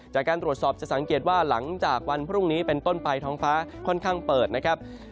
จากการตรวจสอบจะสังเกตว่าหลังจากวันพรุ่งนี้เป็นต้นไปท้องฟ้าค่อนข้างเปิดนะครับ